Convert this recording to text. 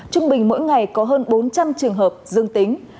trung bình mỗi ngày có hơn bốn trăm linh trường hợp dương tính